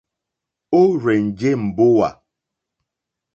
Ó rzènjé mbówà.